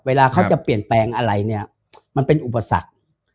เวลาเขาจะเปลี่ยนแปลงอะไรเนี่ยมันเป็นอุปสรรค